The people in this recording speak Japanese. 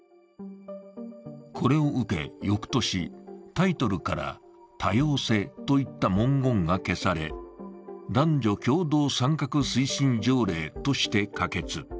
これを受け、翌年、タイトルから多様性といった文言が消され、男女共同参画推進条例として可決。